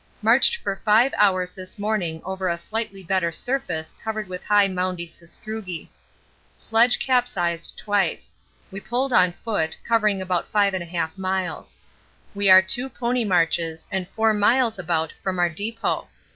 Marched for 5 hours this morning over a slightly better surface covered with high moundy sastrugi. Sledge capsized twice; we pulled on foot, covering about 5 1/2 miles. We are two pony marches and 4 miles about from our depot.